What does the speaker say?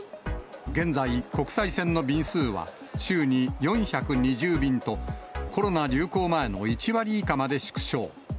現在、国際線の便数は週に４２０便と、コロナ流行前の１割以下まで縮小。